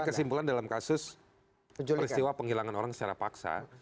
ada kesimpulan dalam kasus peristiwa penghilangan orang secara paksa